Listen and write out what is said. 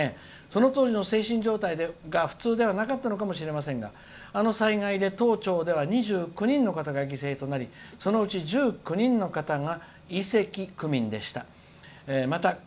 その当時の精神状態が普通ではなかったのかもしれませんがあの災害で登庁では２９人の方が犠牲となりそのうち１９人の方が井関区民でした。